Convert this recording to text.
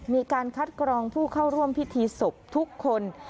มีการคัดกรองผู้เข้าร่วมพิธีศพทุกคน